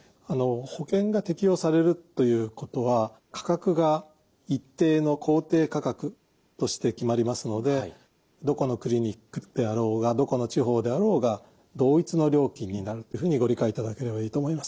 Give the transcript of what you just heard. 保険が適用されるということは価格が一定の公定価格として決まりますのでどこのクリニックであろうがどこの地方であろうが同一の料金になるというふうにご理解いただければいいと思います。